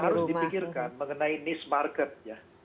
itu harus dipikirkan mengenai niche market ya